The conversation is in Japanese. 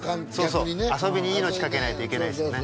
そうそう遊びに命懸けないといけないっすよね